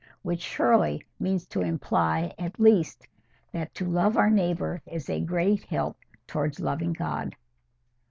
'—which surely means to imply at least that to love our neighbour is a great help towards loving God.